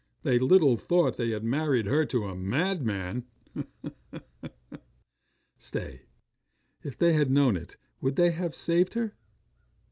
They little thought they had married her to a madman. 'Stay. If they had known it, would they have saved her?